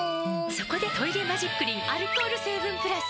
そこで「トイレマジックリン」アルコール成分プラス！